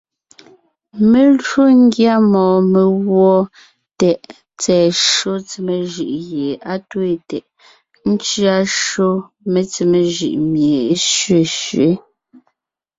Mé lwo ńgyá mɔɔn meguɔ tɛʼ tsɛ̀ɛ shÿó tsemé jʉʼ gie á twéen tɛʼ, ńcʉa shÿó metsemé jʉʼ mie é sẅesẅě.